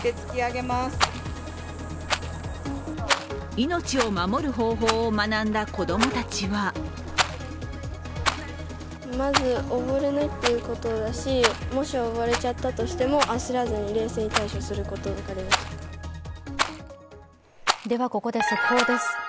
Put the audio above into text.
命を守る方法を学んだ子供たちはここで速報です。